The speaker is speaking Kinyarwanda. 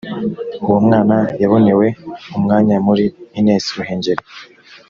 uwo mwna yabonewe umwanya muri ines ruhengeri